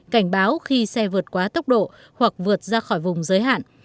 cảnh báo khi xe vượt quá tốc độ hoặc vượt ra khỏi vùng giới hạn